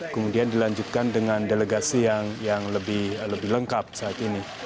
kemudian dilanjutkan dengan delegasi yang lebih lengkap saat ini